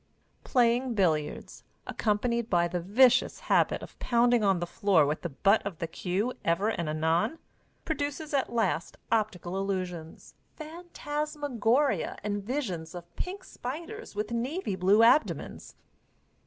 Playing billiards, accompanied by the vicious habit of pounding on the floor with the butt of the cue ever and anon, produces at last optical illusions, phantasmagoria and visions of pink spiders with navy blue abdomens.